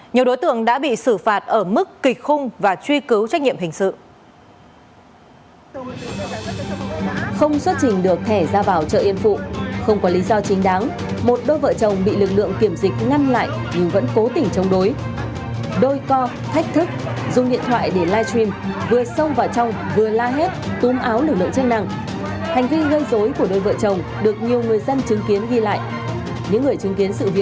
nhiều đối tượng đã bị xử phạt ở mức kịch khung và truy cứu trách nhiệm hình sự